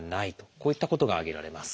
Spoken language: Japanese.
こういったことが挙げられます。